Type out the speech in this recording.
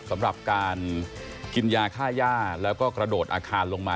สำหรับการกินยาค่าย่าแล้วก็กระโดดอาคารลงมา